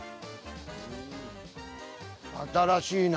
新しいな。